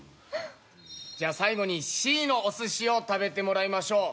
最後にＣのお寿司を食べてもらいましょう。